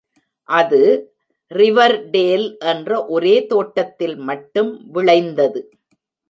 அது Riverdale என்ற ஒரே தோட்டத்தில் மட்டும் விளைந்தது.